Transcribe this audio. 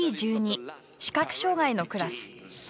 視覚障がいのクラス。